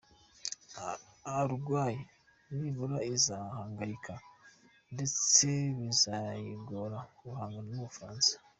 Uruguay nimubura izahangayika ndetse bizayigora guhangana n’Ubufaransa.